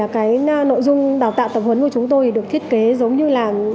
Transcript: cái nội dung đào tạo tập huấn của chúng tôi được thiết kế giống như là